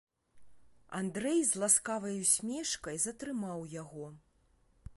Андрэй з ласкавай усмешкай затрымаў яго.